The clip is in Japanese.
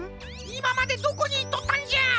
いままでどこにいっとったんじゃ！